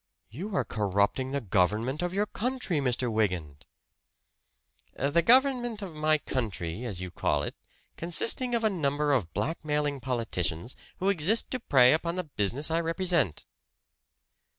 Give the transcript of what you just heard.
"You are corrupting the government of your country, Mr. Wygant!" "The government of my country, as you call it, consisting of a number of blackmailing politicians, who exist to prey upon the business I represent."